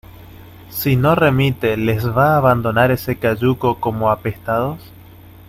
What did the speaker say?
¿ si no remite les va a abandonar ese cayuco como apestados?